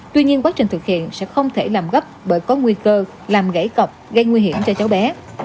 tuy nhiên quá trình thực hiện sẽ không thể làm gấp bởi có nguy cơ làm gãy cọc gây nguy hiểm cho cháu bé